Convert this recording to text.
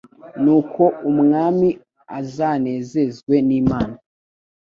Nuko umwami azanezezwe n’Imana